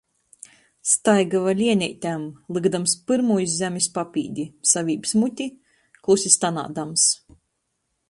Staiguoja lieneišom, lykdams pyrmū iz zemis papīdi, savībs muti, klusi stenādams.